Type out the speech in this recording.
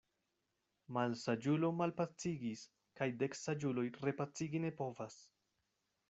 Malsaĝulo malpacigis kaj dek saĝuloj repacigi ne povas.